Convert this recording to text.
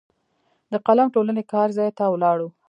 د قلم ټولنې کار ځای ته ولاړو.